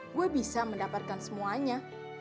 gue bisa mendapatkan semuanya